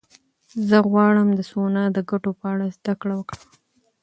زه غواړم د سونا د ګټو په اړه زده کړه وکړم.